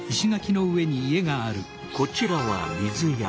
こちらは「水屋」。